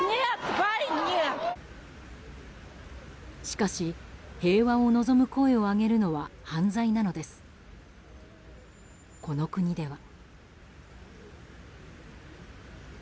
しかし平和を望む声を上げるのは犯罪なのです、この国では。